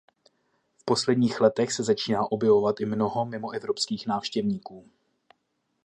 V posledních letech se začíná objevovat i mnoho mimoevropských návštěvníků.